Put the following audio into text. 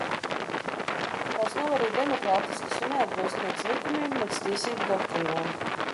Tās nav arī demokrātiskas un neatbilst nedz likumiem, nedz tiesību doktrīnām.